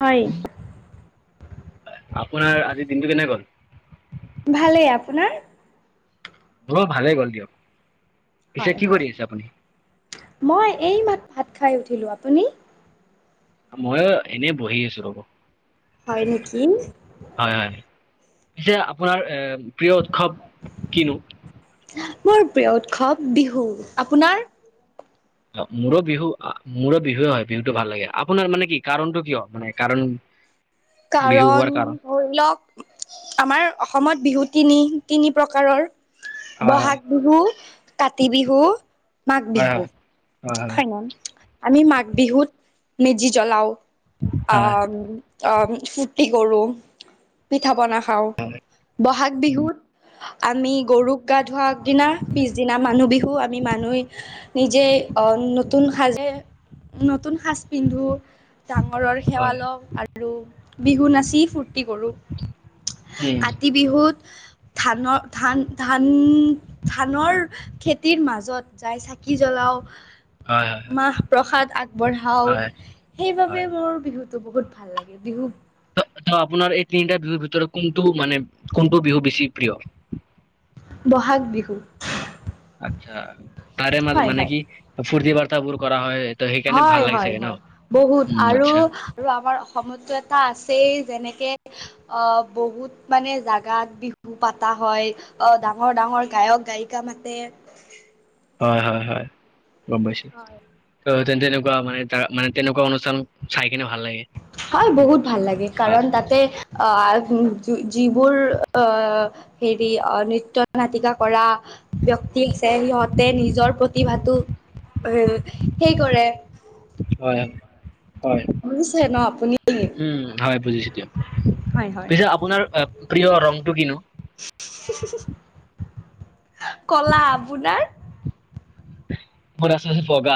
হয়। হয়, আপোনাৰ আজিৰ দিনটো কেনে গ'ল? ভালেই, আপোনাৰ? মোৰো ভালেই গ'ল দিয়ক। পিছে হয়, কি হয়। কৰি আছে আপুনি? মই এই মাত ভাত খাই উঠিলোঁ, আপুনি? ময়ো এনে বহি আছোঁ ৰব। হয় নেকি? হয়, হয়। পিছে আপোনাৰ এ প্ৰিয় উৎসৱ কিনো? মোৰ প্ৰিয় উৎসৱ বিহু, আপোনাৰ? অ', মোৰো বিহু মোৰো বিহুুৱে হয় বিহুতটো ভাল লাগে। আপোনাৰ মানে কি কাৰণতটো কিয় মানে কাৰণ? বিহু কাৰণ হোৱাৰ ধৰি লওক, আমাৰ অসমত বিহু তিনি তিনি প্ৰকাৰৰ। হয় বহাগ হয়। বিহু, কাতি বিহু মাঘ হয়, বিহু হয়। হয়, হয়। আমি মাঘ বিহুত মেজি জ্বলাও, আ হয়। অ', ফুৰৰ্তি কৰোঁ, পিঠা পনা খাওঁ, বহাগ বিহুত আমি গৰুক গা ধোৱা আগদিনা, পিছদিনা মানুহ বিহু। আমি মানুহ নিজেই অ', নতুন সাজে, নতুন সাজ পিন্ধো, ডাঙৰৰ হয় সেৱা হয়। লওঁ। আৰু আৰু বিহু নাচি ফূৰ্তি কৰোঁ। উম। কাতি বিহুত ধান ধান ধান ধানৰ খেতিৰ মাজত যাই চাকি জ্বলাও। হয় হয়। মাহ প্ৰসাদ আগবঢ়াওঁ, হয় হয়। সেইবাবে মোৰ বিহুটো বহুত ভাল লাগে। বিহু ত' ত' আপোনাৰ এই তিনিটা বিহুৰ ভিতৰত কোনটো মানে কোনটো বিহু বেছি প্ৰিয়? বহাগ বিহু। আচ্ছা, তাৰে মাজ হয় মানে হয় কি ফূৰ্তি বাৰ্তাবোৰ কৰা হয়। ত সেইকাৰণে ভাল হয়, লাগে হয়, চাগে ন? হয়, বহুত। উম আৰু আচ্ছা। আৰু আমাৰ অসমততো এটা আছেই যেনেকে অ', বহুত মানে জাগাত বিহু পাতা হয়, অ', ডাঙৰ, ডাঙৰ গায়ক গায়িকা মাতে। হয়, হয়, হয়, গম পাইছোঁ। হয় ত' তেনেকুৱা মানে তাৰ মানে তেনেকুৱা অনুষ্ঠান চাই কিনে ভাল লাগে। হয় উম, বহুত ভাল লাগে, কাৰণ তাতে অ', যিবোৰ অ', হেৰি নৃত্য নাটিকা কৰা ব্যক্তি আছে সিহঁতে নিজৰ প্ৰতিভাটো এ, সেই কৰে। হয়। হয় শুনিছে ন? আপুনি উম, হয় বুজিছো দিয়ক। হয় হয় পিছে আপোনাৰ প্ৰিয় ৰংটো কিনো? ক'লা, আপোনাৰ? মোৰ আছে আচলতে বগা,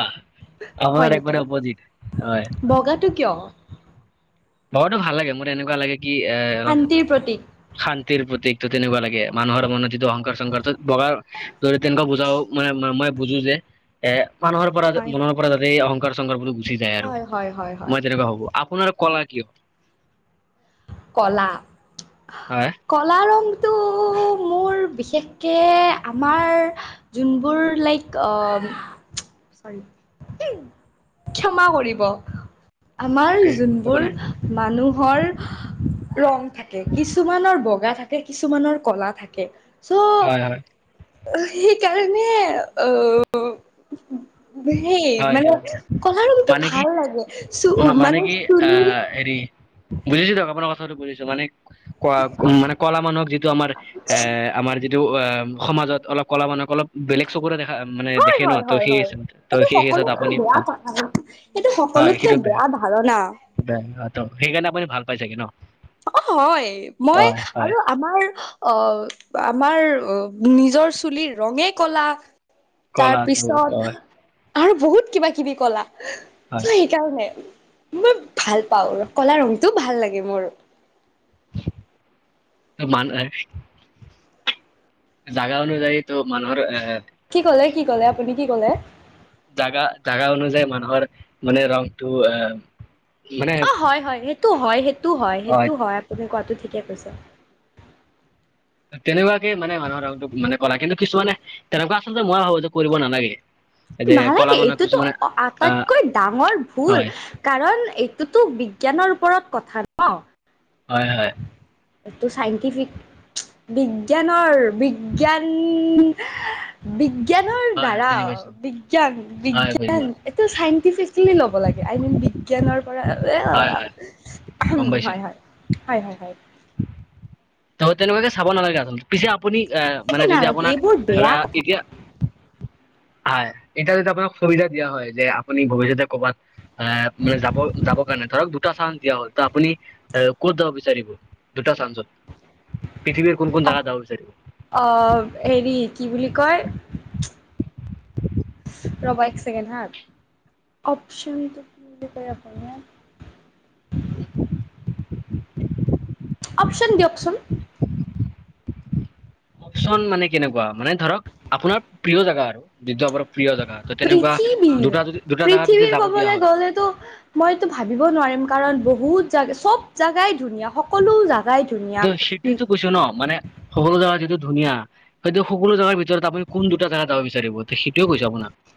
হয় অপোনাৰ নেকি একবাৰে অপজিট, হয়। বগাটো কিয়? বগাতো ভাল লাগে মোৰ এনেকুৱা লাগে কি এ অলপ শান্তিৰ প্ৰতীক। শান্তিৰ প্ৰতীকো তেনেকুৱা লাগে মানুহৰ মনটো অহংকাৰ চহংকাৰ বগাৰ যদি তেনেকুৱা বুজাও। মানে মই বুজো যে এ মানুহৰ পৰা হয়। মনৰ পৰা যাতে অহংকাৰ চহংকাৰ বোলো গুছি যায় আৰু হয়, হয়, হয়, হয়। মই তেনেকুৱা ভাৱো। আপোনাৰ কলা কি হয়? কলা? হয়। কলা ৰংটো মোৰ বিশেষকৈ আমাৰ যোনবোৰ লাইক অ' ক্ষমা কৰিব। আমাৰ অকে একো যোনবোৰ নাই মানুহৰ ৰং থাকে কিছুমানৰ বগা থাকে কিছুমানৰ কলা থাকে। চ' হয়, হয়। সেইকাৰণে আহ সেই হয় দিয়ক মানে কলা ৰঙটো মানে কি ভাল লাগে মানে কি চুলিৰ আহ হেৰি বুজিছো দিয়ক আপোনাৰ কথাটো বুজিছো মানে ক উম মানে কলা মানুহক যিটো আমাৰ এ আমাৰ যিটো টো অ' সমাজত অলপ কলা মানক অলপ বেলেগ দেখা মানে দেখে ন ত' হিচাপে ত এইটো সেই হিচাপত সকলোতকে আপুনি বেয়া ভাল পায় কথা এইেটো সকলোতকে বেয়া ধাৰণা। বে ত সেইকাৰণে আপুনি ভাল পাই চাগে ন। অ', হয় মই হয় হয় আৰু আমাৰ অ', আমাৰ নিজৰ চুলিৰ ৰঙে কলা তাৰ কলাটো পিছত হয় আৰু বহুত কিবা কিবি কলা। হয় সেইকাৰণে মই ভাল পাওঁ কলা ৰংটো ভাল লাগে মোৰ। ত' মানুহ জাগা অনুযায়ীতো মানুহৰ অ' কি ক'লে কি ক'লে আপুনি কি ক'লে জাগা জাগা অনুযায়ী মানুহৰ মানে ৰংটো আহ মানে অ', হয় হয় সেইটো হয় সেইটো হয় সেইটো হয় আপুনি কোৱাটো ঠিকে কৈছে। তেনেকুৱাকে মানে মানুহৰ ৰংটো মানে কৰা কিন্তু কিছুমানে তেনেকুৱা আচলতে মই ভাবো যে কৰিব নালাগে। যে কলা নালাগে মানুহ এইটোতো কিছুমানে আহ আটাইতকৈ ডাঙৰ ভুল। হয় কাৰণ এইটোতো বিজ্ঞানৰ ওপৰত কথা। ন হয়, হয়। এইটো চাইণ্টিফিক বিজ্ঞানৰ বিজ্ঞান বিজ্ঞানৰ হয় দ্বাৰা বুজি পাইছো বিজ্ঞান হয় বুজি পাইছো বিজ্ঞান এইটো চাইণ্টিফিকেলি ল'ব লাগে আই মিন বিজ্ঞানৰ পৰা হয় হয় গম পাইছো হয় হয় হয় হয়। ত' তেনেুৱাকে চাব নালাগে আৰু পিছে আপুনি আহ মানে যদি নালাগে আপোনাক এইবোৰ বেয়া এ কথা এতিয়া হয়, এতিয়া যদি আপোনাক সুবিধা দিয়া হয় যে আপুনি ভৱিষ্যতে ক'ৰবাত এ মানে যাব যাব কাৰণে ধৰক দুটা চানচ দিয়া হ'ল তো আপুনি এ ক'ত যাব বিচাৰিব? দুটা চানচত পৃথিৱীৰ কোন কোন অ জাগা যাব বিচাৰিব? অ', হেৰি কি বুলি কয়। ৰ'বা এক ছেকেণ্ড হা। অপশ্যনটো কি বুলি কয় আপোনাৰ। [inaudible] অপশ্বন দিয়কছোন। কিছুমান মানে কেনেকুৱা, মানে ধৰক আপোনাৰ প্ৰিয় জাগা আৰু যিটো আপোনাৰ প্ৰিয় জাগা। পৃথিৱীৰ, পৃথিৱীৰ যাব দিয়া কবলৈ হয় গ'লেতো মইতো ভাবিব নোৱাৰিম কাৰণ বহুত জাগা, চব জাগাই ধুনীয়া, সকলো জা এইটো সেইটোয়তো কৈছোঁ ন' মানে সকলো জগা যিটো ধুনীয়া হয়তো সকলো জাগাৰ ভিতৰত আপুনি কোন দুটা জাগা যাব বিচাৰিব, সেইটোয়ে কৈছোঁ আপোনাক।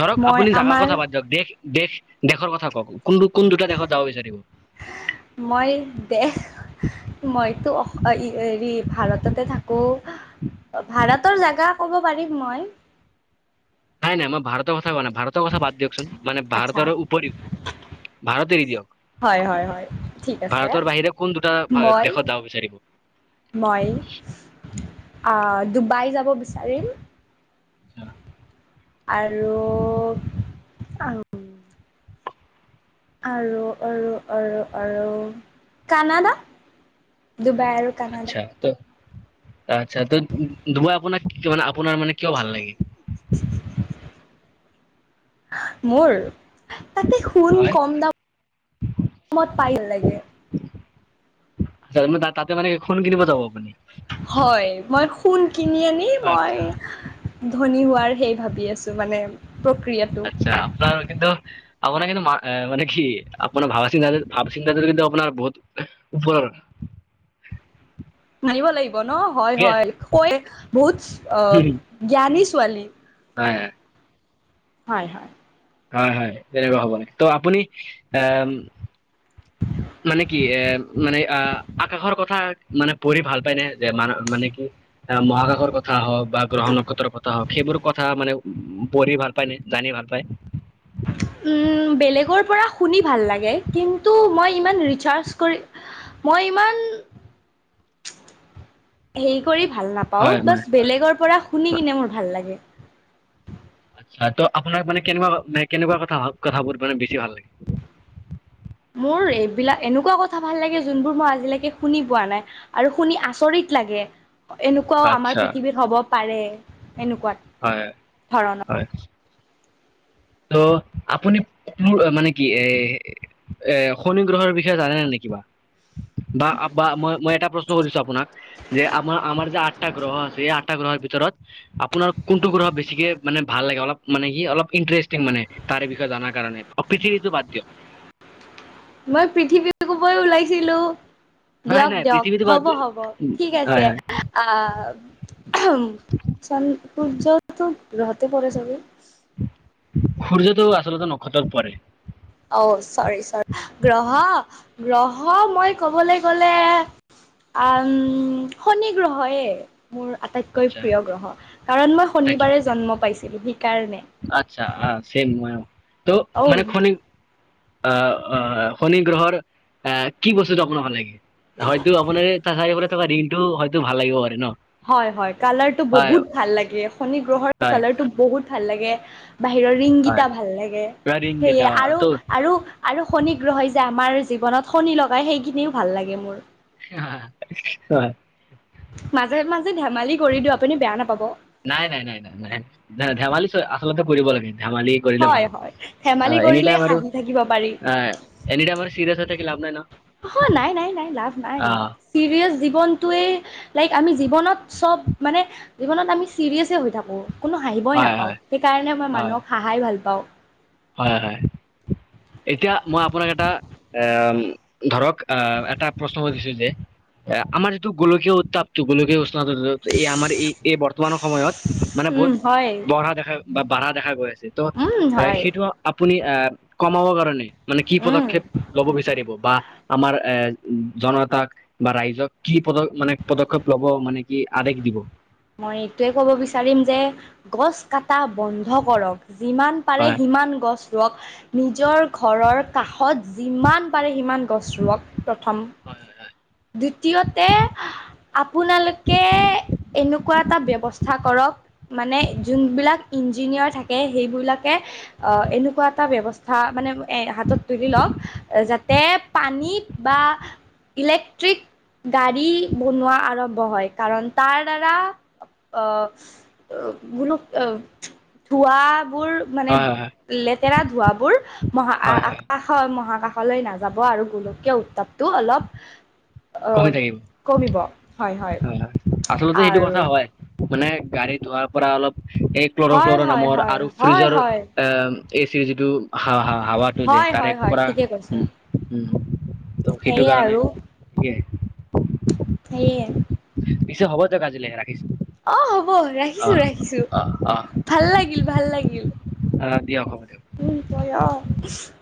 ধৰক মই আপুনি জাগাৰ আমাৰ কথা বাদ দেশ দেশ, দেশৰ কথা কওক, কোনটো কোন দুটা দেশত যাব বিচাৰিব? মই দে মইতো অ' ই হেৰি ভাৰততে থাকোঁ। ভাৰতৰ জাগা ক'ব পাৰিম মই। নাই নাই মই ভাৰতৰ কথা কোৱা নাই, ভাৰতৰ কথা বাদ দিয়কচোন মানে আচ্ছা ভাৰতৰ উপৰিও। ভাৰত এৰি দিয়ক, হয় হয় হয় ঠিক আছে ভাৰতৰ বাহিৰে কোন দুটা মই দেশত যাব বিচাৰিব? মই আ, ডুবাই যাব বিচাৰিম ছা। আৰু আৰু, আৰু, আৰু, আৰু কানাডা, ডুবাই আৰু কানাডা আচ্ছা ত' আচ্ছা ত' ডুবাই আপোনাক মানে আপোনাৰ মানে কিয় ভাল লাগে? মোৰ তাতে সুণ হয়। কম দামত পায় লাগে। তাতে মানে সোন কিনিব যাব আপুনি? হয় মই সোন কিনি আনি মই আচ্ছা ধনী হোৱাৰ সেই ভাবি আছোঁ মানে প্ৰক্ৰিয়া। ছা, আপোনাৰ কিন্তু আপোনাৰ কিন্তু মা-মানে কি, আপোনাৰ ভাবা চিন্তা, ভাৱ চিন্তা কিন্তু আপোনাৰ বহুত ওপৰৰ। মানিব লাগিব ন'? হয় ঠিকে হয় আছে। কই বহুত অ' জ্ঞানী ছোৱালী। হয়। হয় হয়। হয় হয় তেনেকুৱা হ'ব লাগে। ত' আপুনি আহ [inaudible] মানে কি এ, মানে আ, আকাশৰ কথা মানে পঢ়ি ভাল পায় নে যে মান মানে কি আ, মহাকাশৰ কথা হওক বা গ্ৰহ নক্ষত্ৰৰ কথা হওক সেইবোৰ কথা মানে উ, পঢ়ি ভাল পায়নে জানি ভাল পায়? উম, বেলেগৰ পৰা শুনি ভাল লাগে কিন্তু মই ইমান ৰিচাৰ্চ কৰি মই ইমান হেৰি কৰি ভাল না হয় পাওঁ বাচ হয় বেলেগৰ পৰা শুনি কিনে মোৰ ভাল লাগে। ছা ত' আপোনাৰ মানে কেনেকুৱা কথা কথাবোৰ মানে বেছি ভাল লাগে? মোৰ এইবিলাক এনেকুৱা কথা ভাল লাগে যোনবোৰ মই আজিলৈকে শুনি পোৱা নাই। আৰু শুনি আচৰিত লাগে, এনেকুৱাও আচ্ছা আমাৰ পৃথিৱীত হ'ব পাৰে। এনেকুৱা হয়, ধৰণৰ হয়। ত' আপুনি পো মানে কি এ এ, শনি গ্ৰহৰ বিষয়ে জানেনে নে কিবা? বা বা মই মই এটা প্ৰশ্ন সুধিছোঁ আপোনাক যে আমাৰ আমাৰ যে আঠটা গ্ৰহ আছে। এই আঠটা গ্ৰহৰ ভিতৰত আপোনাৰ কোনটো গ্ৰহ বেছিকে মানে ভাল লাগে অলপ মানে কি অলপ ইনট্ৰে টিং মানে তাৰে বিষয়ে জনা কাৰণে অপচনিলিতী বাদ দিয়ক মই পৃথিৱী কবই ওলাইছিলো নাই দিয়ক নাই দিয়ক পৃথিৱীটো বাদ হ'ব দি- হ'ব ঠিক আছে। হয় হয় আ উ চন্দ্ৰ সূৰ্যতো গ্ৰহতে পৰে চাগে? সূৰ্যটো আচলতে নক্ষত্ৰত পৰে। অ চৰি চৰি গ্ৰহ গ্ৰহ মই কবলৈ গ'লে আম শনি গ্ৰহয়ে মোৰ আটাইতকৈ আচ্ছা প্ৰিয় গ্ৰহ। কাৰণ মই শনিবাৰে জন্ম পাইছিলো সেইকাৰণে। আটচ্ছা আ চেম মইও তো ঔ মানে হনি আহ অ শনি গ্ৰহৰ আহ কি বস্তুটো আপোনাৰ ভাল লাগে? হয়তো আপোনাৰ তাত থকা ঋংটো হয়তো ভাল লাগিব পাৰে ন? হয় হয় কালাৰটো হয় বহুত ভাল লাগে, শনি গ্ৰহৰ হয় কালাৰটো বহুত ভাল লাগে। বাহিৰৰ ৰিং হয় কিটা ভাল লাগে। পুৰা ৰিং কেইটা সেয়ে আৰু ত আৰু আৰু শনি গ্ৰহেই যে আমাৰ জীৱনত শনি লগায় সেইখিনিও ভাল লাগে মোৰ। হয়। মাজে মাজে ধেমালি কৰি দিও আপুনি বেয়া নাপাব। নাই নাই নাই নাই নাই নাই ন ধেমালি চ আচলতে কৰিব লাগে। ধেমালি কৰিলে ভাল। হয় হয় ধেমালি কৰিলে এনিটাইম আৰু হাঁহি থাকিব পাৰি আ এনি টাইম আৰু চিৰিয়াছ হৈ থাকি লাভ নাই ন অ' নাই নাই নাই লাভ নাই। অ চিৰিয়াছ জীৱনটোৱেই লাইক আমি জীৱনত চব মানে জীৱনত আমি চিৰিয়াছে হৈ থাকো কোনো হাঁহিবই হয় নাপাওঁ, হয় সেইকাৰণে মই হয় মানুহক হাহাই ভাল পাওঁ। হয় হয় এতিয়া মই আপোনাক এটা আহ ধৰক আহ এটা প্ৰশ্ন সুধিছো যে আমাৰ যিটো গোলকীয় উত্তাপটো গোলকীয় উষ্ণতাটো এই আমাৰ এই এই বৰ্তমানৰ সময়ত মানে উম বহুত হয় বঢ়া দেখা বা বাঢ়া দেখা গৈ আছে। ত' উম হয় সেইটো আপুনি আহ কমাব কাৰণে মানে কি উম পদক্ষেপ লব বিচাৰিব বা আমাৰ এ জনতাক বা ৰাইজক কি পদক্ষেপ মানে পদক্ষেপ লব মানে কি আদেশ দিব? মই এইটোৱে ক'ব বিচাৰিম যে গছ কাটা বন্ধ কৰক। যিমান পাৰে হয় সিমান গছ ৰোৱক নিজৰ ঘৰৰ কাষত যিমান পাৰে সিমান গছ ৰোৱক। প্ৰথম, হয় দ্বিতীয়তে আপোনালোকে এনেকুৱা এটা ব্যৱস্থা কৰক, মানে যোনবিলাক ইঞ্জিনিয়াৰ থাকে সেইবিলাকে অ' এনেকুৱা এটা ব্যৱস্থা মানে এ হাতত তুলি লওঁক যাতে পানীত বা ইলেক্ট্ৰিক গাড়ী বনোৱা আৰম্ভ হয়, কাৰণ তাৰ দাৰা আহ ধোঁৱা বোৰ মানে হয় হয় লেতেৰা ধোঁৱাবোৰ মহা আ হয় হয় আ কাশ মহাকাশলৈ নাযাব গোলকীয় উত্তাপটো অলপ অ কমি থাকিব কমিব। হয় হয়। আচলতে এইটো আৰু কথা হয় মানে গাড়ী ধোঁৱাৰ পৰা অলপ এই ক্লৰ হয় ফ্লৰ হয় নামৰ, হয় আৰু হয় ফ্ৰিজৰ হয় এ এচিৰ যিটো হা হাৱাত তো যে হয় তাৰে হয় হয় পৰা, ঠিকে কৈছে উম উম ত সেইটো সেয়ে কাৰণে আৰু কি সেইয়ে। পিছে হ'ব দিয়ক আজিলৈ ৰাখিছো। অ' হ'ব অ ৰাখিছো ৰাখিছো। অ অ ভাল লাগিল ভাল লাগিল। অ' দিয়ক হ'ব দিয়ক। উম [unintelligible]